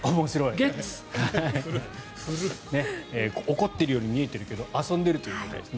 怒っているように見えてるけど遊んでるということですね。